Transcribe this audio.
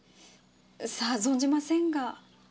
さあ存じませんが。